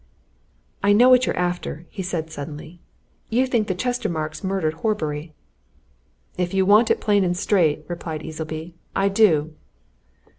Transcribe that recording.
"I know what you're after," he said suddenly. "You think the Chestermarkes murdered Horbury?" "If you want it plain and straight," replied Easleby, "I do!"